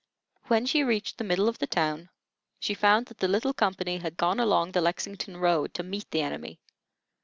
When she reached the middle of the town she found that the little company had gone along the Lexington road to meet the enemy.